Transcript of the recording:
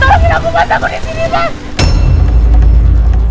mbak salvain aku tempat aku di sini mbak